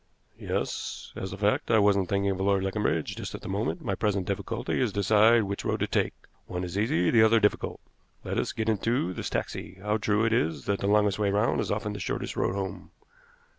"Yes. As a fact, I wasn't thinking of Lord Leconbridge just at the moment. My present difficulty is to decide which road to take. One is easy, the other difficult. Let us get into this taxi. How true it is that the longest way round is often the shortest road home."